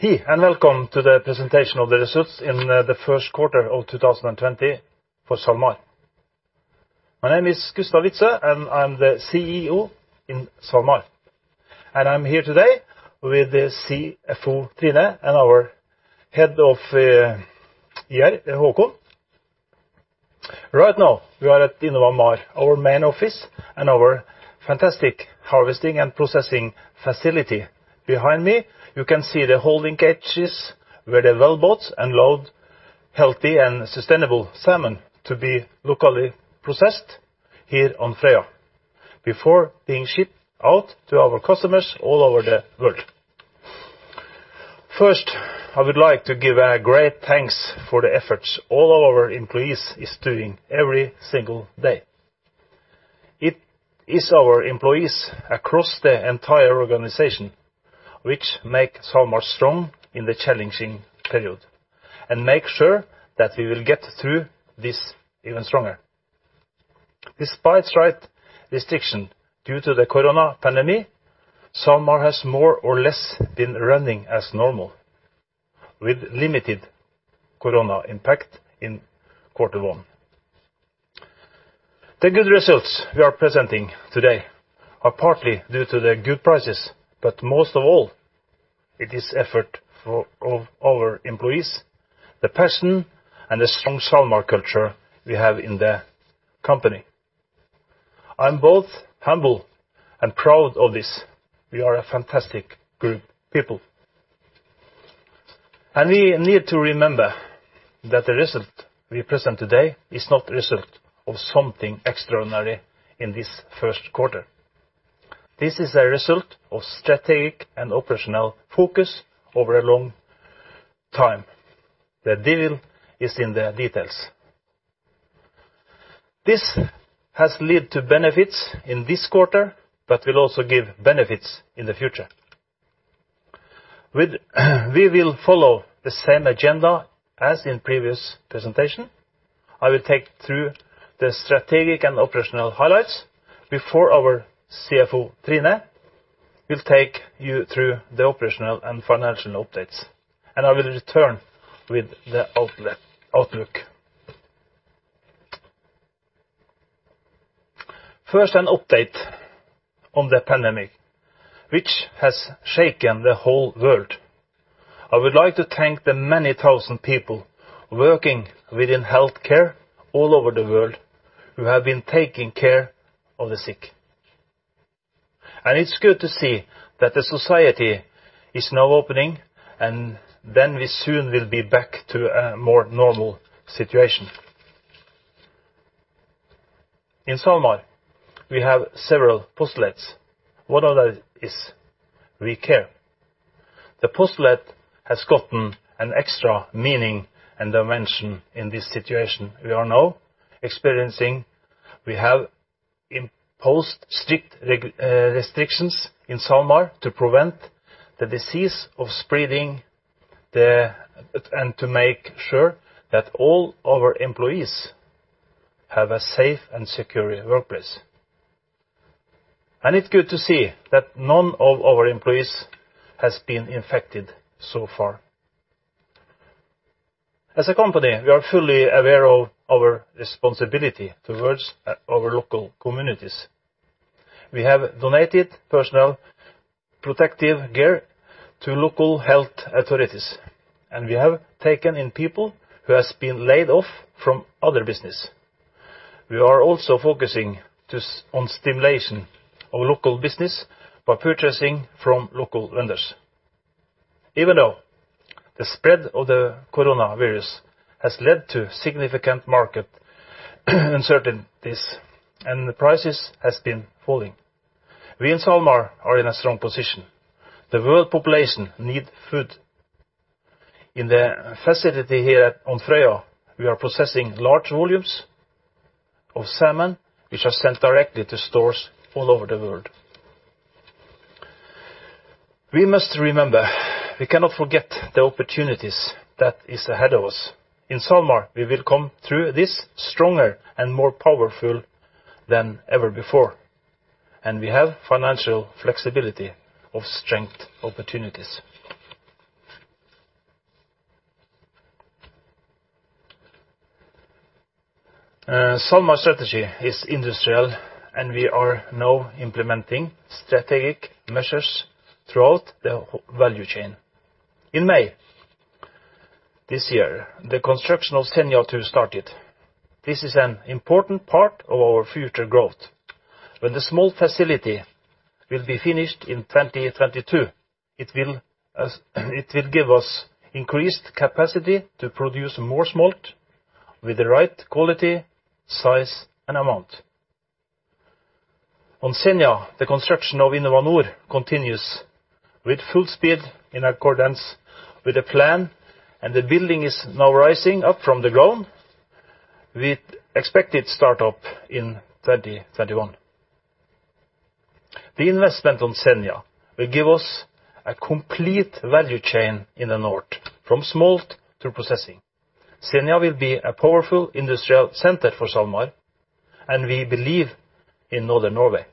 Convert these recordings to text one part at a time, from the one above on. Hey, and welcome to the presentation of the results in the first quarter of 2020 for SalMar. My name is Gustav Witzøe, and I'm the CEO in SalMar. And I'm here today with the CFO, Trine, and our head of IR Håkon. Right now, we are at InnovaMar, our main office, and our fantastic harvesting and processing facility behind me. You can see the holding cages where the well-boat and loaded healthy and sustainable salmon to be locally processed here on Frøya, before being shipped out to our customers all over the world. First, I would like to give a great thanks for the efforts all of our employees are doing every single day. It is our employees across the entire organization which make SalMar strong in the challenging period and make sure that we will get through this even stronger. Despite slight restrictions due to the corona pandemic, SalMar has more or less been running as normal, with limited corona impact in quarter one. The good results we are presenting today are partly due to the good prices, but most of all, it is the effort of our employees, the passion, and the strong SalMar culture we have in the company. I'm both humble and proud of this. We are a fantastic group of people, and we need to remember that the result we present today is not the result of something extraordinary in this first quarter. This is a result of strategic and operational focus over a long time. The deal is in the details. This has led to benefits in this quarter, but will also give benefits in the future. We will follow the same agenda as in the previous presentation. I will take through the strategic and operational highlights before our CFO, Trine, will take you through the operational and financial updates, and I will return with the outlook. First, an update on the pandemic, which has shaken the whole world. I would like to thank the many thousand people working within healthcare all over the world who have been taking care of the sick. And it's good to see that the society is now opening, and then we soon will be back to a more normal situation. In SalMar, we have several postulates. One of them is we care. The postulate has gotten an extra meaning and dimension in this situation we are now experiencing. We have imposed strict restrictions in SalMar to prevent the disease from spreading and to make sure that all our employees have a safe-and-secure workplace. It's good to see that none of our employees has been infected so far. As a company, we are fully aware of our responsibility towards our local communities. We have donated personal protective gear to local health authorities, and we have taken in people who have been laid off from other businesses. We are also focusing on stimulation of local business by purchasing from local vendors. Even though the spread of the coronavirus has led to significant market uncertainties and the prices have been falling, we in SalMar are in a strong position. The world population needs food. In the facility here on Frøya, we are processing large volumes of salmon, which are sent directly to stores all over the world. We must remember we cannot forget the opportunities that are ahead of us. In SalMar, we will come through this stronger and more powerful than ever before, and we have financial flexibility of strength opportunities. SalMar's strategy is industrial, and we are now implementing strategic measures throughout the value chain. In May this year, the construction of Senja Smolt started. This is an important part of our future growth. When the smolt facility will be finished in 2022, it will give us increased capacity to produce more smolt with the right quality, size, and amount. On Senja, the construction of InnovaNor continues with full speed in accordance with the plan, and the building is now rising up from the ground with expected startup in 2021. The investment on Senja will give us a complete value chain in the north, from smolt to processing. Senja will be a powerful industrial center for SalMar, and we believe in Northern Norway.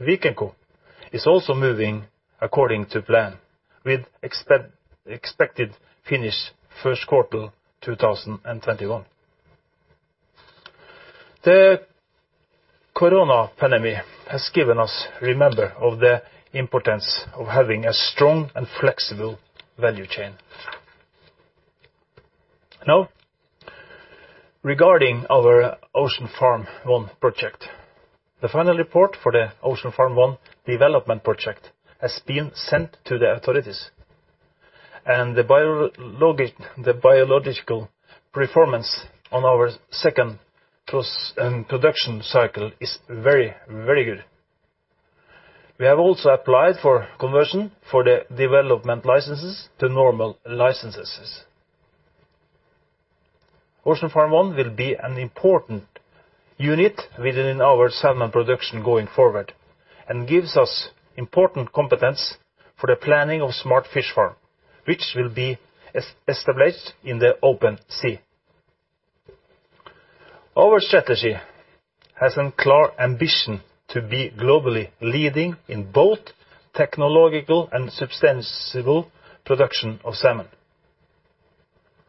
In addition, the upgrade of our harvesting and processing facility, Vikenco, is also moving according to plan with expected finish first quarter 2021. The corona pandemic has given us, remember, the importance of having a strong and flexible value chain. Now, regarding our Ocean Farm One project, the final report for the Ocean Farm One development project has been sent to the authorities, and the biological performance on our second production cycle is very, very good. We have also applied for conversion for the development licenses to normal licenses. Ocean Farm One will be an important unit within our salmon production going forward and gives us important competence for the planning of smart fish farms, which will be established in the open sea. Our strategy has a clear ambition to be globally leading in both technological and substantial production of salmon.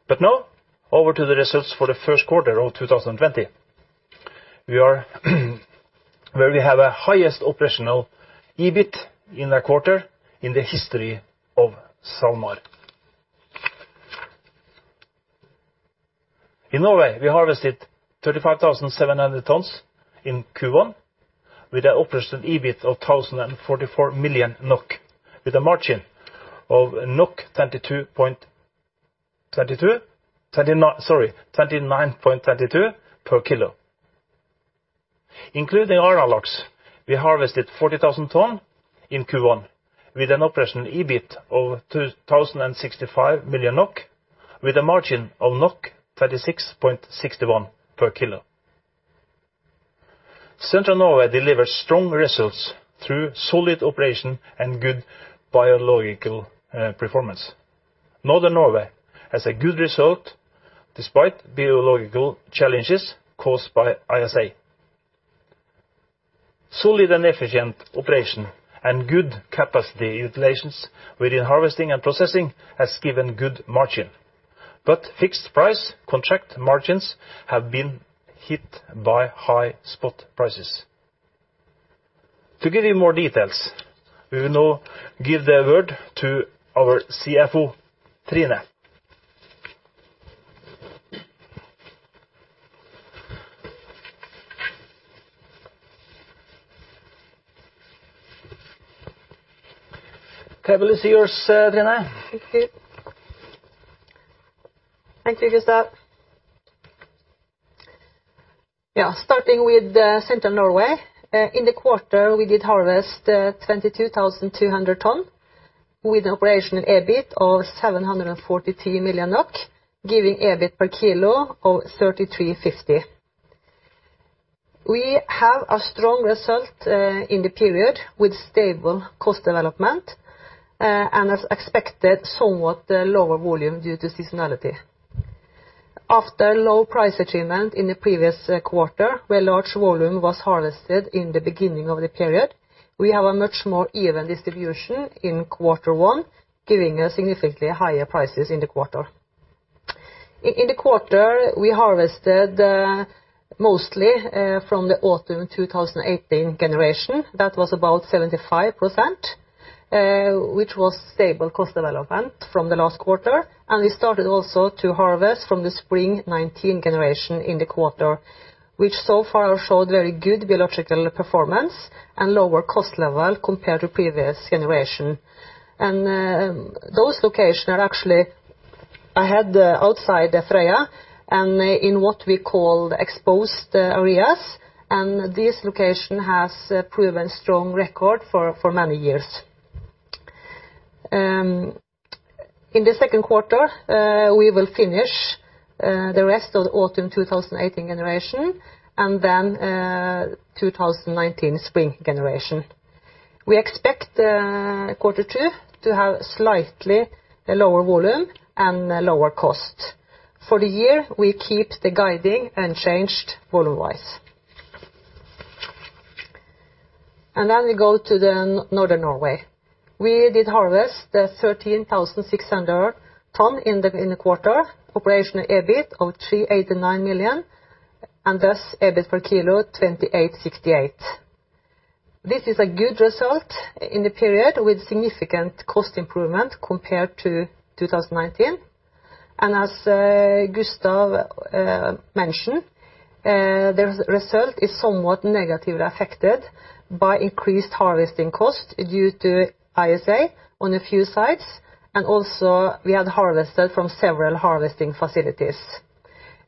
But now, over to the results for the first quarter of 2020, where we have the highest operational EBIT in the quarter in the history of SalMar. In Norway, we harvested 35,700 tons in Q1 with an operational EBIT of 1,044 million NOK with a margin of 29.22 per kilo. Including Arnarlax, we harvested 40,000 tons in Q1 with an operational EBIT of 1,065 million NOK with a margin of 36.61 per kilo. Central Norway delivers strong results through solid operation and good biological performance. Northern Norway has a good result despite biological challenges caused by ISA. Solid and efficient operation and good capacity utilization within harvesting and processing have given good margin, but fixed price contract margins have been hit by high spot prices. To give you more details, we will now give the word to our CFO, Trine. Thank you. Thank you, Gustav. Yeah, starting with Central Norway, in the quarter, we did harvest 22,200 tons with an operational EBIT of 743 million NOK, giving EBIT per kilo of 33.50. We have a strong result in the period with stable cost development and an expected somewhat lower volume due to seasonality. After low price achievement in the previous quarter, where large volume was harvested in the beginning of the period, we have a much more even distribution in quarter one, giving us significantly higher prices in the quarter. In the quarter, we harvested mostly from the autumn 2018 generation. That was about 75%, which was stable cost development from the last quarter. We started also to harvest from the spring 2019 generation in the quarter, which so far showed very good biological performance and lower cost level compared to previous generation. Those locations are actually ahead outside Frøya and in what we call exposed areas, and this location has proven a strong record for many years. In the second quarter, we will finish the rest of the autumn 2018 generation and then 2019 spring generation. We expect quarter two to have slightly lower volume and lower cost. For the year, we keep the guiding unchanged volume-wise. Then we go to Northern Norway. We did harvest 13,600 tons in the quarter, operational EBIT of 389 million, and thus EBIT per kilo 28.68. This is a good result in the period with significant cost improvement compared to 2019. As Gustav mentioned, the result is somewhat negatively affected by increased harvesting cost due to ISA on a few sites, and also we had harvested from several harvesting facilities.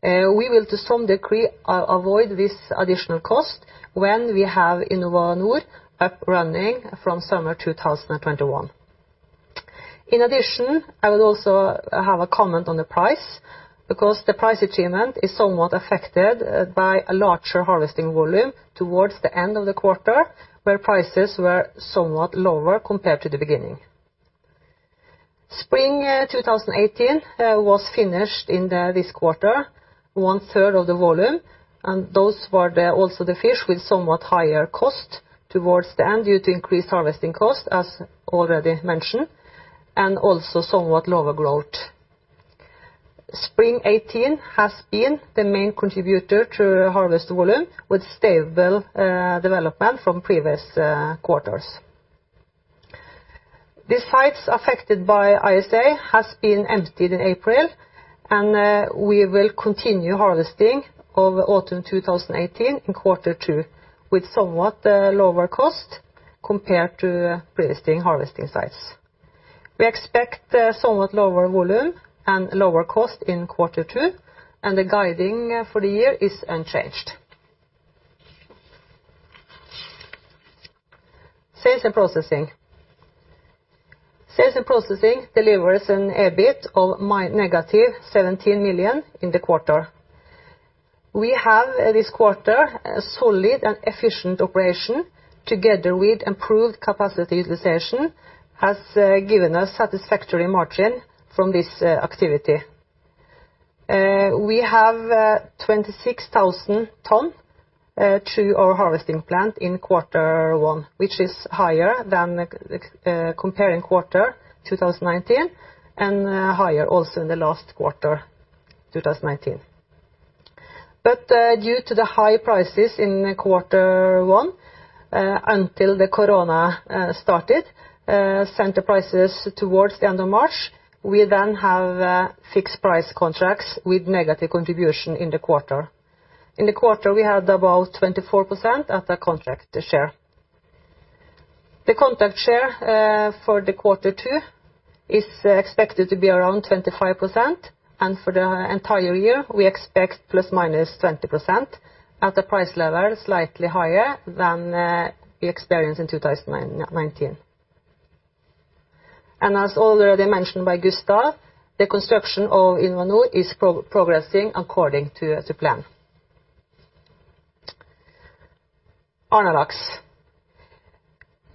We will, to some degree, avoid this additional cost when we have InnovaNor up and running from summer 2021. In addition, I would also have a comment on the price because the price achievement is somewhat affected by a larger harvesting volume towards the end of the quarter, where prices were somewhat lower compared to the beginning. Spring 2018 was finished in this quarter, one third of the volume, and those were also the fish with somewhat higher cost towards the end due to increased harvesting cost, as already mentioned, and also somewhat lower growth. Spring '18 has been the main contributor to harvest volume with stable development from previous quarters. The sites affected by ISA have been emptied in April, and we will continue harvesting of autumn 2018 in quarter two with somewhat lower cost compared to previous harvesting sites. We expect somewhat lower volume and lower cost in quarter two, and the guiding for the year is unchanged. Sales and processing. Sales and processing delivers an EBIT of NOK, 17 million in the quarter. We have this quarter solid and efficient operation together with improved capacity utilization has given us satisfactory margin from this activity. We have 26,000 tons to our harvesting plant in quarter one, which is higher than comparing quarter 2019 and higher also in the last quarter 2019. But due to the high prices in quarter one until the corona started, sent the prices towards the end of March, we then have fixed-price contracts with negative contribution in the quarter. In the quarter, we had about 24% of the contract share. The contract share for the quarter two is expected to be around 25%, and for the entire year, we expect ±20% at a price level slightly higher than we experienced in 2019, and as already mentioned by Gustav, the construction of InnovaNor is progressing according to plan. Arnarlax.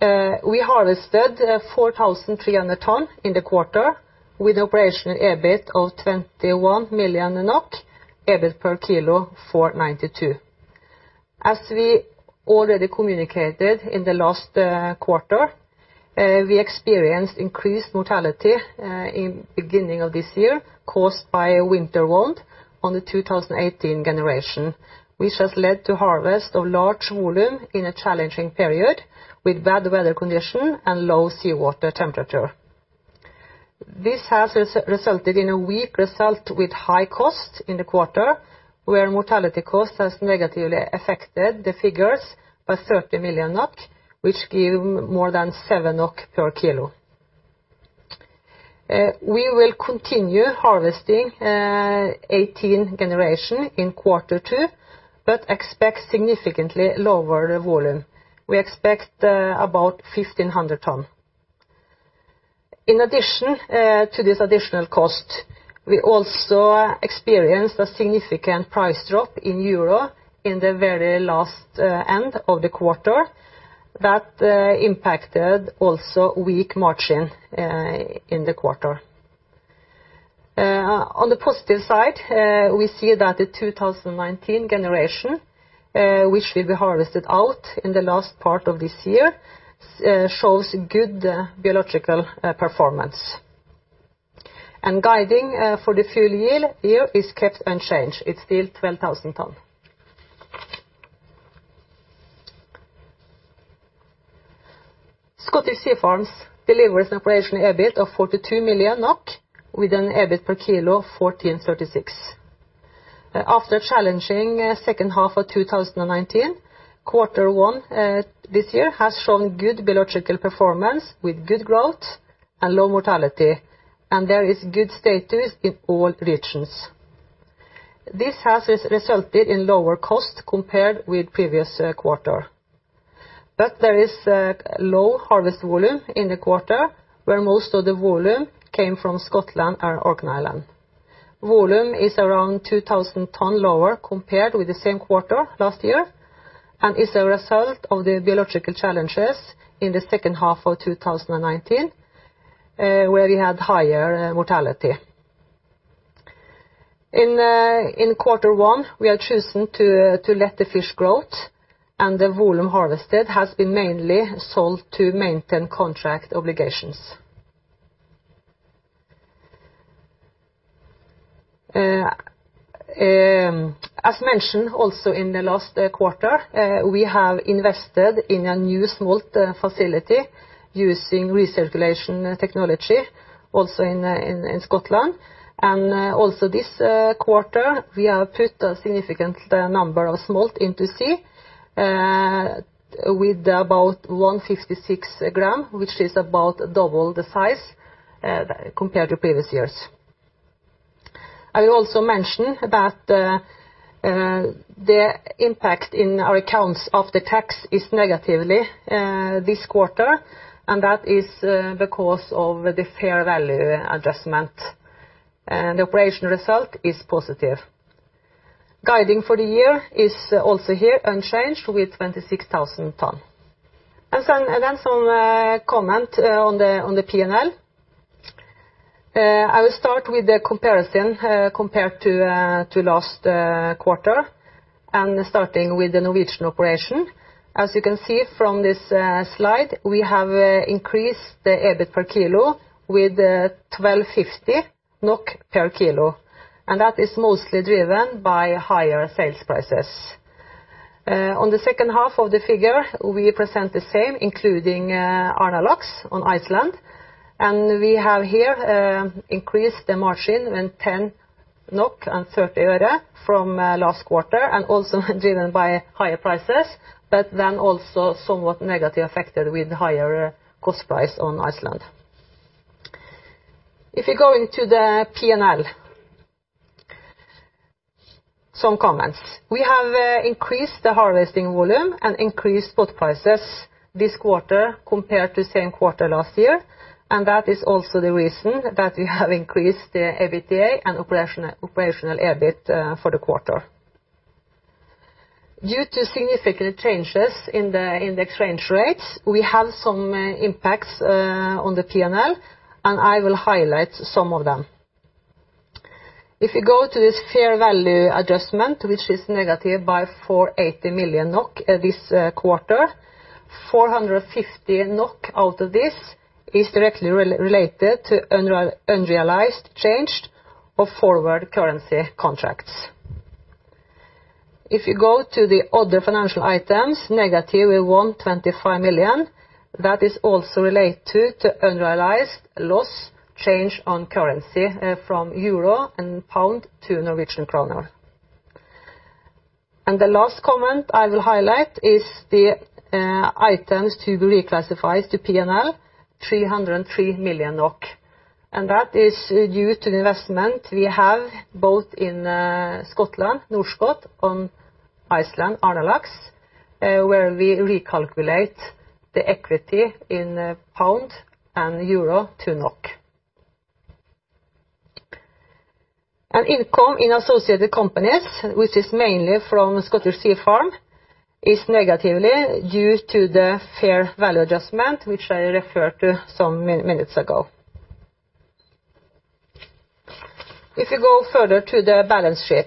We harvested 4,300 tons in the quarter with an operational EBIT of 21 million NOK, EBIT per kilo 492. As we already communicated in the last quarter, we experienced increased mortality in the beginning of this year caused by a winter wounds on the 2018 generation, which has led to harvest of large volume in a challenging period with bad weather conditions and low seawater temperature. This has resulted in a weak result with high cost in the quarter, where mortality cost has negatively affected the figures by 30 million NOK, which gives more than 7 NOK per kilo. We will continue harvesting '18 generation in quarter two, but expect significantly lower volume. We expect about 1,500 tons. In addition to this additional cost, we also experienced a significant price drop in Euro in the very last end of the quarter that impacted also weak margin in the quarter. On the positive side, we see that the 2019 generation, which we harvested out in the last part of this year, shows good biological performance. Guiding for the full-year is kept unchanged. It's still 12,000 tons. Scottish Sea Farms delivers an operational EBIT of 42 million NOK with an EBIT per kilo 1.436. After challenging the second half of 2019, quarter one this year has shown good biological performance with good growth and low mortality, and there is good status in all regions. This has resulted in lower cost compared with previous quarter. There is low harvest volume in the quarter where most of the volume came from Scotland and Orkney Islands. Volume is around 2,000 tons lower compared with the same quarter last year and is a result of the biological challenges in the second half of 2019, where we had higher mortality. In quarter one, we have chosen to let the fish grow, and the volume harvested has been mainly sold to maintain contract obligations. As mentioned also in the last quarter, we have invested in a new smolt facility using recirculation technology also in Scotland. Also this quarter, we have put a significant number of smolt into sea with about 156 grams, which is about double the size compared to previous years. I will also mention that the impact in our accounts of the tax is negatively this quarter, and that is because of the fair value adjustment. The operational result is positive. Guidance for the year is also here unchanged with 26,000 tons, and then some comment on the P&L. I will start with the comparison compared to last quarter and starting with the Norwegian operation. As you can see from this slide, we have increased the EBIT per kilo with 1,250 NOK per kilo, and that is mostly driven by higher sales prices. On the second half of the figure, we present the same, including Arnarlax on Iceland, and we have here increased the margin with 10 NOK and 30 euro from last quarter and also driven by higher prices, but then also somewhat negatively affected with the higher cost price on Iceland. If we go into the P&L, some comments. We have increased the harvesting volume and increased spot prices this quarter compared to the same quarter last year, and that is also the reason that we have increased the EBITDA and operational EBIT for the quarter. Due to significant changes in the index range rates, we have some impacts on the P&L, and I will highlight some of them. If we go to this fair value adjustment, which is negative by 480 million NOK this quarter, 450 million NOK out of this is directly related to unrealized change of forward currency contracts. If you go to the other financial items, negative with 125 million, that is also related to unrealized loss change on currency from Euro and Pound to Norwegian kroner. The last comment I will highlight is the items to be reclassified to P&L, 303 million NOK. And that is due to the investment we have both in Scotland, Norskott, on Iceland, Arnarlax, where we recalculate the equity in pound and Euro to NOK. And income in associated companies, which is mainly from Scottish Sea Farms, is negatively due to the fair value adjustment, which I referred to some minutes ago. If we go further to the balance sheet,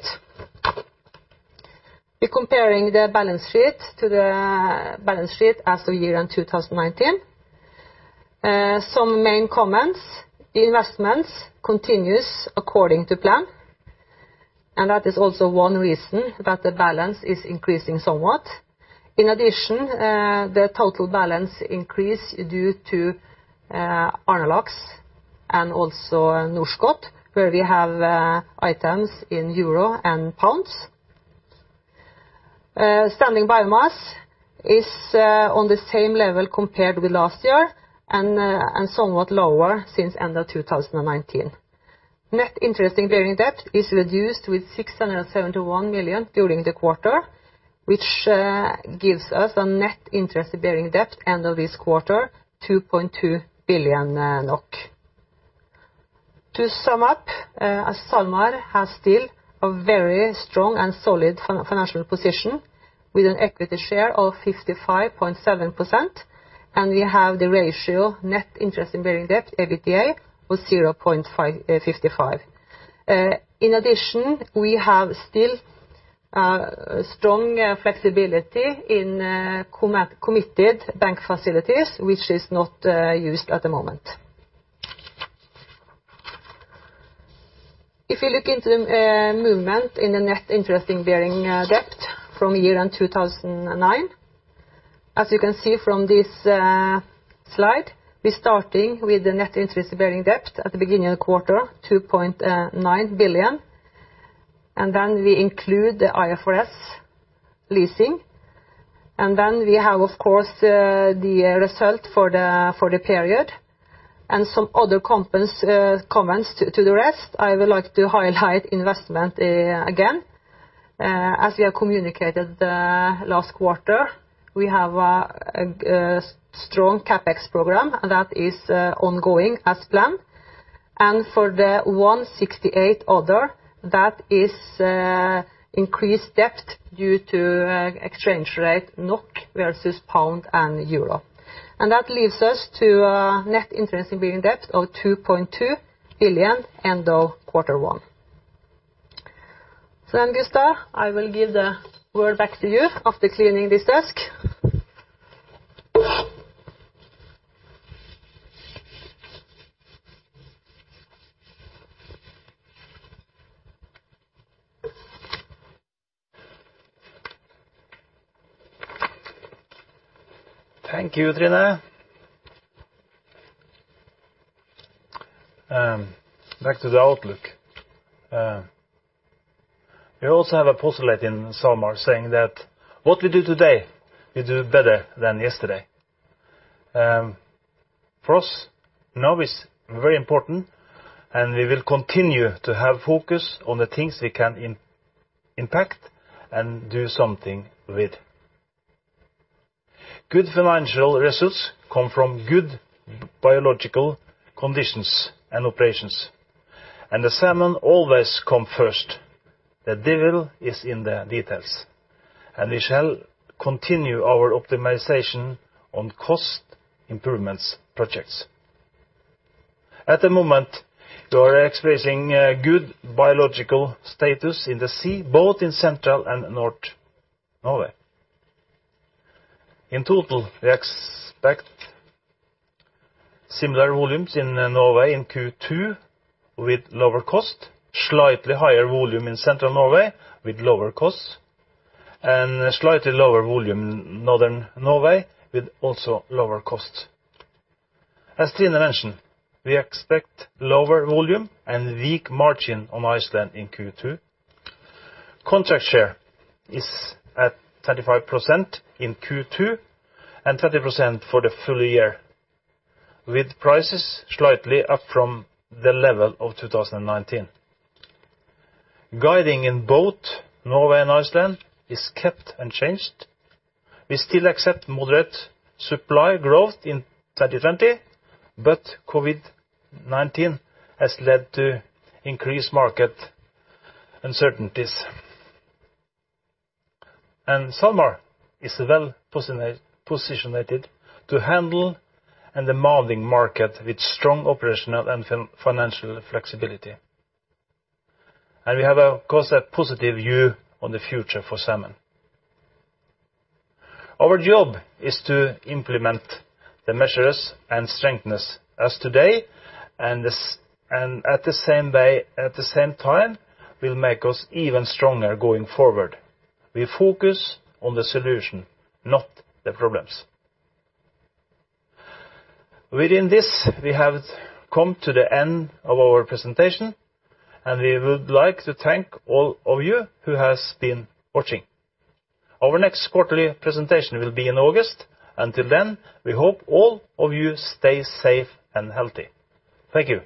we're comparing the balance sheet to the balance sheet as of 2019. Some main comments: the investments continue according to plan, and that is also one reason that the balance is increasing somewhat. In addition, the total balance increase is due to Arnarlax and also Norskott, where we have items in Euro and Pounds. Standing biomass is on the same level compared with last year and somewhat lower since the end of 2019. Net interest-bearing debt is reduced with 671 million NOK during the quarter, which gives us a net interest-bearing debt end of this quarter, 2.2 billion NOK. To sum up, SalMar has still a very strong and solid financial position with an equity share of 55.7%, and we have the ratio net interest-bearing debt EBITDA of 0.55. In addition, we have still strong flexibility in committed bank facilities, which is not used at the moment. If we look into the movement in the net interest-bearing debt from year 2009, as you can see from this slide, we're starting with the net interest-bearing debt at the beginning of the quarter, 2.9 billion NOK, and then we include the IFRS leasing, and then we have, of course, the result for the period, and some other comments to the rest, I would like to highlight investment again. As we have communicated last quarter, we have a strong CapEx program, and that is ongoing as planned. For the rest, that is increased debt due to exchange rate NOK versus Pound and Euro. That leaves us to a net interest-bearing debt of 2.2 billion end of quarter one. Then, Gustav, I will give the word back to you after clearing this up. Thank you, Trine. Back to the outlook. We also have a postulate in SalMar saying that what we do today, we do better than yesterday. For us, now is very important, and we will continue to have focus on the things we can impact and do something with. Good financial results come from good biological conditions and operations, and the salmon always come first. The devil is in the details, and we shall continue our optimization on cost improvements projects. At the moment, we are experiencing good biological status in the sea, both in Central and Northern Norway. In total, we expect similar volumes in Norway in Q2 with lower cost, slightly higher volume in Central Norway with lower costs, and slightly lower volume in Northern Norway with also lower costs. As Trine mentioned, we expect lower volume and weak margin on Iceland in Q2. Contract share is at 35% in Q2 and 30% for the full year, with prices slightly up from the level of 2019. Guiding in both Norway and Iceland is kept unchanged. We still expect moderate supply growth in 2020, but COVID-19 has led to increased market uncertainties, and SalMar is well-positioned to handle a demanding market with strong operational and financial flexibility, and we have, of course, a positive view on the future for salmon. Our job is to implement the measures and strengthen us today, and at the same time, we'll make us even stronger going forward. We focus on the solution, not the problems. Within this, we have come to the end of our presentation, and we would like to thank all of you who have been watching. Our next quarterly presentation will be in August. Until then, we hope all of you stay safe and healthy. Thank you.